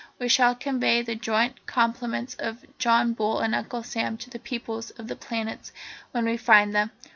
We shall convey the joint compliments of John Bull and Uncle Sam to the peoples of the planets when we find them.